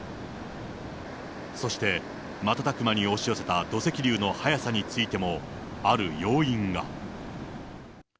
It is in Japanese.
そして、瞬く間に押し寄せた土石流の速さについても、ある要因が。